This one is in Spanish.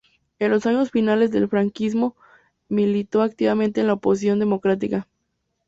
En los años finales del franquismo militó activamente en la oposición democrática.